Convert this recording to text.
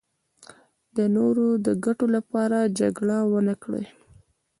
د نورو د ګټو لپاره جګړه ونکړي.